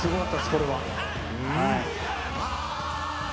これは。